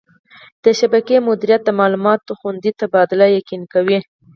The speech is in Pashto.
د شبکې مدیریت د معلوماتو خوندي تبادله یقیني کوي.